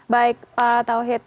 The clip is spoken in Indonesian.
baik pak tauhid